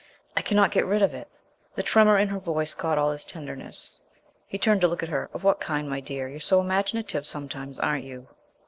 I cannot get rid of it." The tremor in per voice caught all his tenderness. He turned to look at her. "Of what kind, my dear? You're so imaginative sometimes, aren't you?"